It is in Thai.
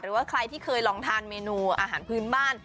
หรือว่าใครที่เคยลองทานเมนูอาหารพื้นบ้าน